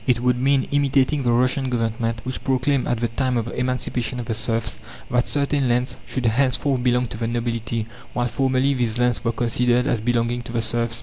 It would mean imitating the Russian Government, which proclaimed, at the time of the emancipation of the serfs, that certain lands should henceforth belong to the nobility, while formerly these lands were considered as belonging to the serfs.